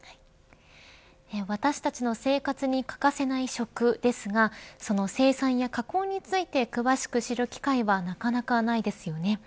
私たちの生活に欠かせない食ですがその生産や加工について詳しく知る機会はなかなかないですよね。